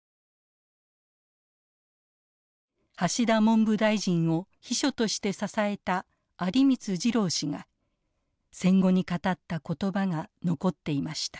橋田文部大臣を秘書として支えた有光次郎氏が戦後に語った言葉が残っていました。